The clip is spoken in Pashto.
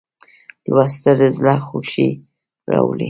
لوستل د زړه خوښي راوړي.